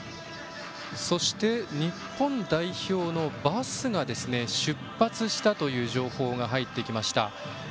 そして日本代表のバスが出発したという情報が入りました。